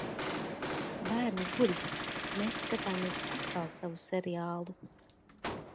Bērni guļ. Mēs skatāmies atkal savu seriālu.